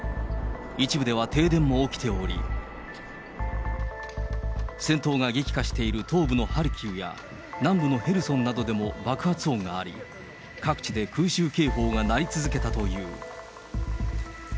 一部では停電も起きており、戦闘が激化している東部のハルキウや、南部のヘルソンなどでも爆発音があり、各地で空襲警報が鳴り続けたという。